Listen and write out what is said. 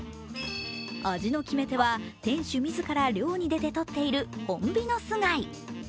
味の決め手は店主自ら漁に出てとっているホンビノス貝。